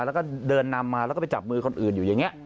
แล้วก็เดินนำมาแล้วก็ไปจับมือคนอื่นอยู่อย่างนี้